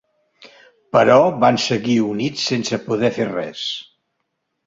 Però van seguir units sense poder fer res.